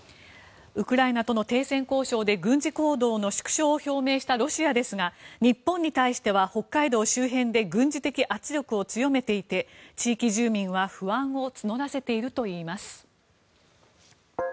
ウクライナとの停戦交渉で軍事行動の縮小を表明したロシアですが日本に対しては北海道周辺で軍事的圧力を強めていて地域住民は不安を募らせているといいます。